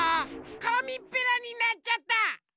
かみっぺらになっちゃった！